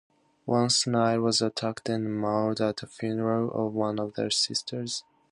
Once, Neale was attacked and mauled at a funeral of one of the Sisters.